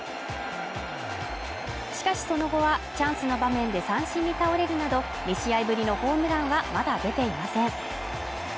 しかしその後はチャンスの場面で三振に倒れるなど２試合ぶりのホームランはまだ出ていません